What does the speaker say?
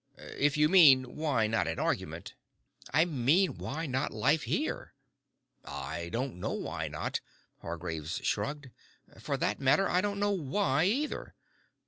"If you mean why not an argument " "I mean, why not life here?" "I don't know why not," Hargraves shrugged. "For that matter, I don't know why, either."